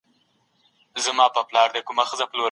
دښمني به د ټولو ترمنځ شریکه وي.